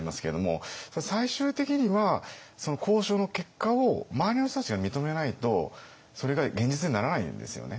最終的にはその交渉の結果を周りの人たちが認めないとそれが現実にならないんですよね。